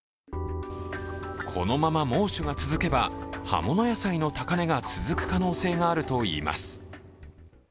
このまま猛暑が続けば葉物野菜の高値が続く可能性があるといいます。